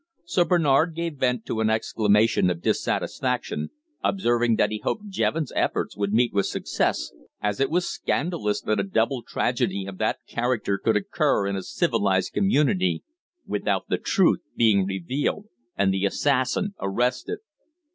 Sir Bernard gave vent to an exclamation of dissatisfaction, observing that he hoped Jevons' efforts would meet with success, as it was scandalous that a double tragedy of that character could occur in a civilized community without the truth being revealed and the assassin arrested.